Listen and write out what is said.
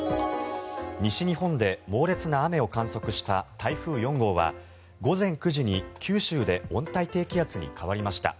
西日本で猛烈な雨を観測した台風４号は午前９時に九州で温帯低気圧に変わりました。